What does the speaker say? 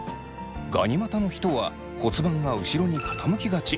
ガニ股の人は骨盤が後ろに傾きがち。